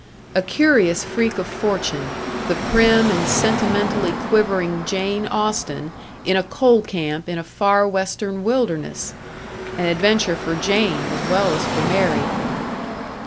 A curious freak of fortune the prim and sentimentally quivering Jane Austen in a coal camp in a far Western wilderness! An adventure for Jane, as well as for Mary!